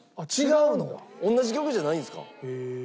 同じ曲じゃないんですか？